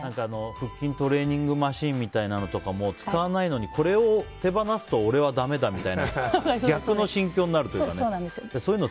腹筋トレーニングマシンみたいなのも使わないのに、これを手放すと俺はだめだみたいな逆の心境になるという。